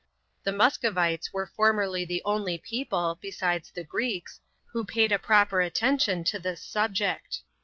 The Muscovites were formerly the only people, besides the Greeks, who paid a proper attention to this subject.